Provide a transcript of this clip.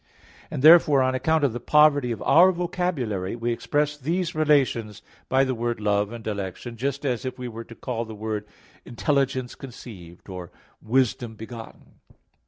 And therefore, on account of the poverty of our vocabulary, we express these relations by the words "love" and "dilection": just as if we were to call the Word "intelligence conceived," or "wisdom begotten."